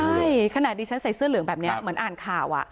ใช่ขนาดดิฉันใส่เสื้อเหลืองแบบนี้เหมือนอ่านข่าว